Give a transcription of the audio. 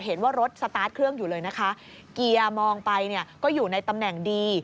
เห็นว่ารถสตาร์ทเครื่องอยู่เลยนะคะเกียร์มองไปเนี่ยก็อยู่ในตำแหน่งดี